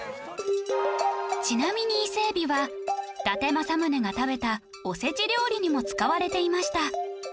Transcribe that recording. ちなみに伊勢海老は伊達政宗が食べたおせち料理にも使われていました